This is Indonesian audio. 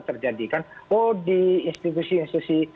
terjadi kan oh di institusi institusi